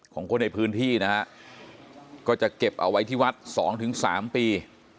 ของคนในพื้นที่นะฮะก็จะเก็บเอาไว้ที่วัด๒๓ปี